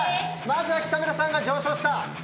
まずは北村さんが上昇した。